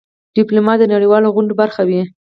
ډيپلومات د نړېوالو غونډو برخه وي.